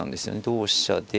同飛車で。